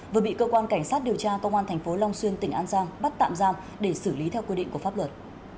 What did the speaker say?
vừa bị cơ quan cảnh sát điều tra công an tp long xuyên tỉnh an giang bắt tạm giam để xử lý theo quy định của pháp luật